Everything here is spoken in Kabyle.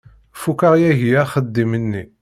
Fukeɣ yagi axeddim-nni.